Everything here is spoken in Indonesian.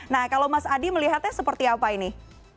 nah kalau mas adi melihatnya seperti apa ini